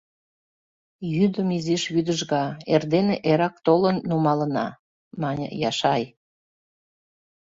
Йӱдым изиш вӱдыжга, эрдене эрак толын, нумалына, — мане Яшай